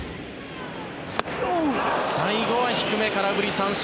最後は低め、空振り三振。